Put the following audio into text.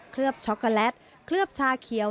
เคลือบช็อกโกแลตเคลือบชาเขียว